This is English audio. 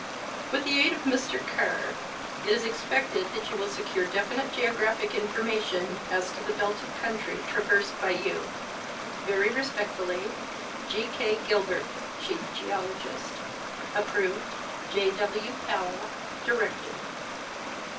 With the aid of Mr. Kerr, it is expected that you will secure definite geographic information as to the belt of country traversed by you. Very respectfully, G. K. Gilbert, Chief Geologist. Approved, < J. W. Powell, Director.